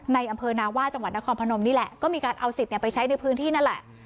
ในอำเภอนาว่าจังหวัดนครพนมนี่แหละก็มีการเอาสิทธิ์ไปใช้ในพื้นที่นั่นแหละ